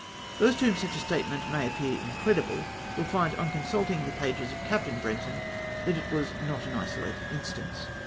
Those to whom such a statement may appear incredible, will find, on consulting the pages of Captain Brenton, that it was not an isolated instance.